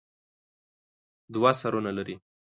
دوه سرونه لري.